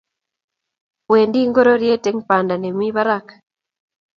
Wendi ngororiet eng banda nemi barak